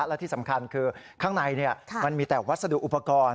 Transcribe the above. และที่สำคัญคือข้างในมันมีแต่วัสดุอุปกรณ์